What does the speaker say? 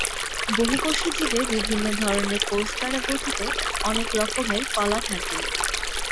বহুকোষী জীবে বিভিন্ন ধরনের কোষ দ্বারা গঠিত অনেক রকমের কলা থাকে।